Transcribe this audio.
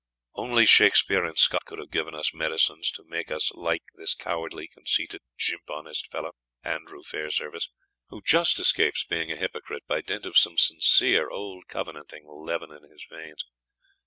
Only Shakspeare and Scott could have given us medicines to make us like this cowardly, conceited "jimp honest" fellow, Andrew Fairservice, who just escapes being a hypocrite by dint of some sincere old Covenanting leaven in his veins.